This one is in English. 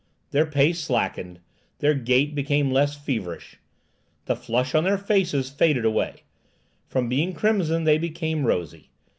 Their pace slackened, their gait became less feverish. The flush on their faces faded away; from being crimson, they became rosy.